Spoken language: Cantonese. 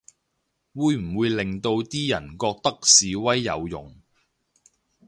會唔會令到啲人覺得示威有用